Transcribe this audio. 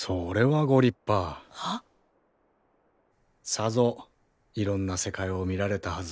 さぞいろんな世界を見られたはず。